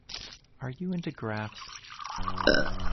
Are you into graphs?